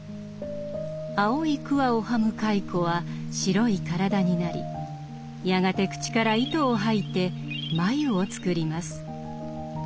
青い桑をはむ蚕は白い体になりやがて口から糸を吐いて繭を作ります。